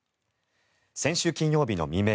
先週金曜日の未明